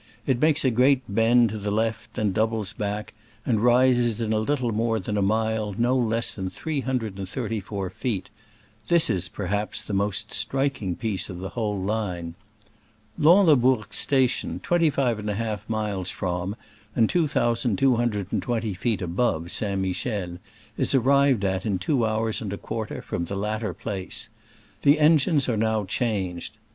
It makes a great bend to the left, then doubles back, and rises in a little more than a mile no less than three hundred and thirty four feet. This is, perhaps, the most striking piece of the whole line. Lanslebourg station, 25J miles from, and 2220 feet above, St. Michel, is, ar rived at in two hours and a quarter from the latter place. The engines are now changed.